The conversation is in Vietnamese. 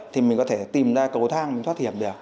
thì mình có thể tìm ra cầu thang mình thoát hiểm được